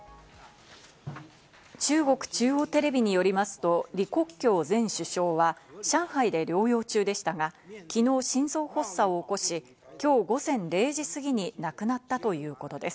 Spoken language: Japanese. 中国中央テレビによりますと、リ・コッキョウ前首相は上海で療養中でしたが、きのう心臓発作を起こし、きょう午前０時過ぎに亡くなったということです。